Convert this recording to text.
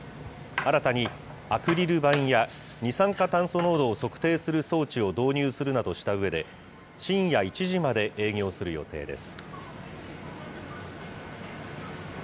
新たにアクリル板や、二酸化炭素濃度を測定する装置を導入するなどしたうえで、深夜１時まで営業する予定です。